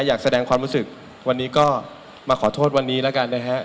อยากแสดงความรู้สึกวันนี้ก็มาขอโทษวันนี้แล้วกันนะฮะ